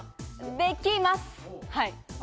できます。